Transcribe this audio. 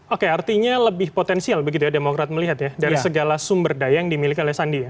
oke artinya lebih potensial begitu ya demokrat melihat ya dari segala sumber daya yang dimiliki oleh sandi ya